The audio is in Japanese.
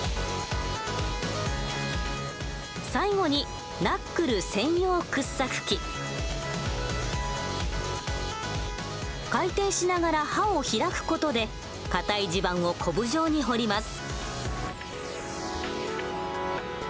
最後に回転しながら刃を開く事で固い地盤をこぶ状に掘ります。